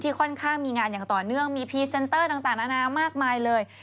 ค่อนข้างมีงานอย่างต่อเนื่องมีพรีเซนเตอร์ต่างนานามากมายเลย